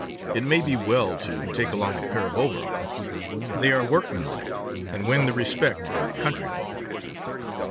It may be well to take along a pair of overalls; they are workmanlike and win the respect of country folk.